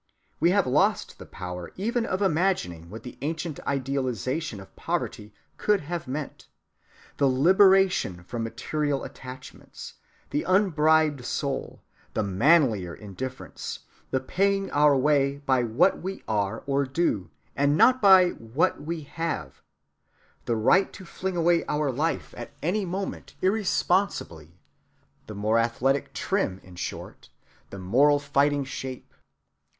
We have lost the power even of imagining what the ancient idealization of poverty could have meant: the liberation from material attachments, the unbribed soul, the manlier indifference, the paying our way by what we are or do and not by what we have, the right to fling away our life at any moment irresponsibly,—the more athletic trim, in short, the moral fighting shape.